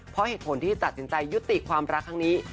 เพราะเหตุผลที่ตัดสินใจยุติความรักครั้งนี้